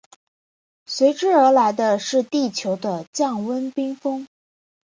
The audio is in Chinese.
随之而来的是地球的降温冰封。